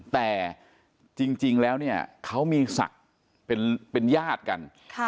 แต่จริงแล้วเนี่ยเขามีศักดิ์เป็นญาติกัน